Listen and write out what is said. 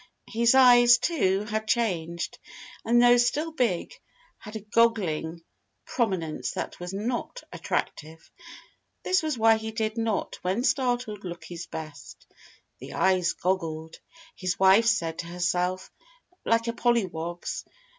His eyes, too, had changed, and though still big had a goggling prominence that was not attractive. This was why he did not, when startled, look his best. The eyes goggled his wife said to herself like a pollywog's.